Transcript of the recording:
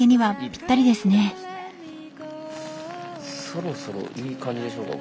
そろそろいい感じでしょうか